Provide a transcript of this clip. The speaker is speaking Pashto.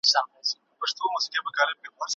ټکنالوژي د وخت او انرژۍ سپما کوي.